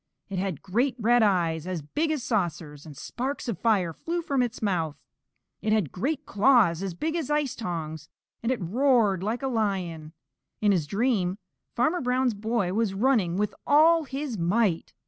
It had great red eyes as big as saucers, and sparks of fire flew from its mouth. It had great claws as big as ice tongs, and it roared like a lion. In his dream Farmer Brown's boy was running with all his might.